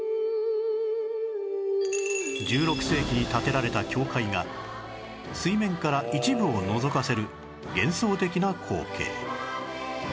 １６世紀に建てられた教会が水面から一部をのぞかせる幻想的な光景